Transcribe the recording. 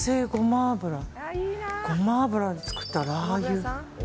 ゴマ油で作ったラー油。